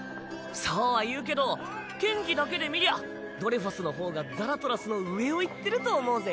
そうは言うけど剣技だけで見りゃドレファスの方がザラトラスの上をいってると思うぜ。